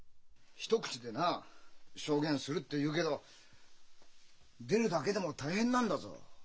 一口でな「証言する」って言うけど出るだけでも大変なんだぞ。